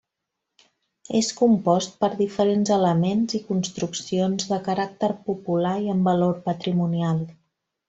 És compost per diferents elements i construccions de caràcter popular i amb valor patrimonial.